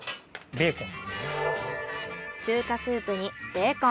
ベーコン。